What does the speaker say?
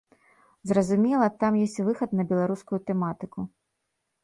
Зразумела, там ёсць выхад на беларускую тэматыку.